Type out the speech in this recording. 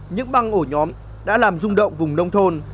những băng ổ nhóm đã làm rung động vùng nông thôn